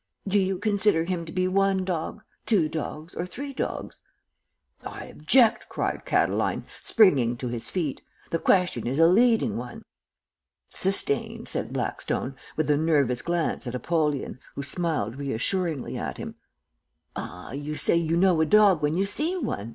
"'Do you consider him to be one dog, two dogs or three dogs?' "'I object!' cried Catiline, springing to his feet. 'The question is a leading one.' "'Sustained,' said Blackstone, with a nervous glance at Apollyon, who smiled reassuringly at him. "'Ah, you say you know a dog when you see one?'